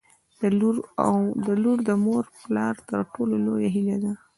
• لور د مور او پلار تر ټولو لویه هیله ده.